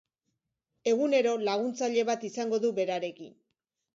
Egunero laguntzaile bat izango du berarekin.